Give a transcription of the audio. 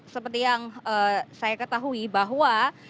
seperti yang saya ketahui bahwa